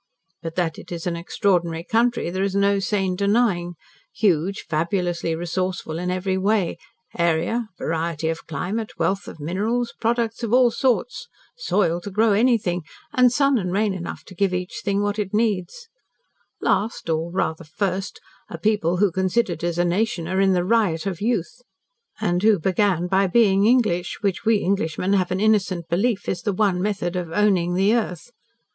But that it is an extraordinary country there is no sane denying huge, fabulously resourceful in every way area, variety of climate, wealth of minerals, products of all sorts, soil to grow anything, and sun and rain enough to give each thing what it needs; last, or rather first, a people who, considered as a nation, are in the riot of youth, and who began by being English which we Englishmen have an innocent belief is the one method of 'owning the earth.'